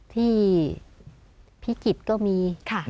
ที่พิกิจก็มี